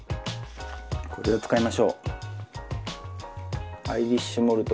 これを使いましょう。